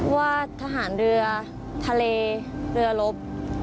ว่าทหารเรือทะเลเรือลบ